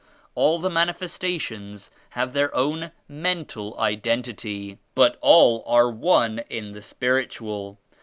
All the Manifestations have their own mental identity; but all are one in the Spirit : ual.